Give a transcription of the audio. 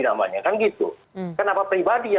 namanya kan gitu kenapa pribadi ya